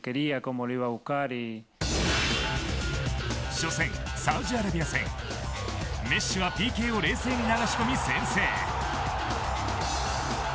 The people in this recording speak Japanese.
初戦・サウジアラビア戦メッシはＰＫを冷静に流し込み先制。